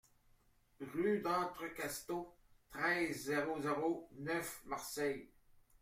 Rue d'Entrecasteaux, treize, zéro zéro neuf Marseille